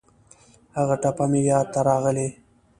هغه ټپه مې یاد ته راغلې.